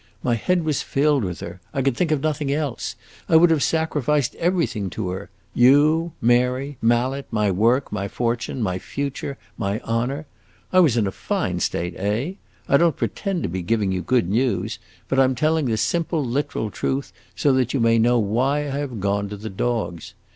My head was filled with her; I could think of nothing else; I would have sacrificed everything to her you, Mary, Mallet, my work, my fortune, my future, my honor! I was in a fine state, eh? I don't pretend to be giving you good news; but I 'm telling the simple, literal truth, so that you may know why I have gone to the dogs.